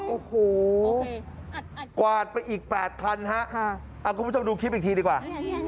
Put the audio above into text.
โอ้โหกวาดไปอีก๘คันฮะคุณผู้ชมดูคลิปอีกทีดีกว่า